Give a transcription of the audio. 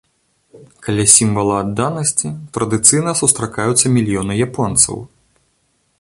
Каля сімвала адданасці традыцыйна сустракаюцца мільёны японцаў.